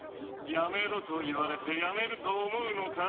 やめろと言われてやめると思うのか？